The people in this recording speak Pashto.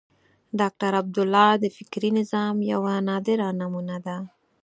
ډاکټر عبدالله د فکري نظام یوه نادره نمونه ده.